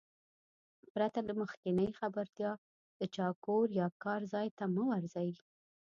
پرته له مخکينۍ خبرتيا د چا کور يا کار ځاى ته مه ورځٸ.